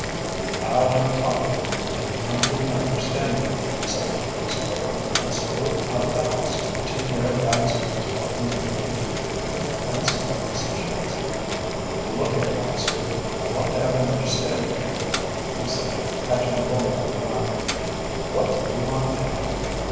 "I'll have a talk with him and come to an understanding," said the eldest Rover, and strode out of the house and to where Baxter was walking up the beach, picking up fancy colored sea shells. "Look here, Baxter, I want to have an understanding with you," he said, catching the bully by the arm. "What do you want now?"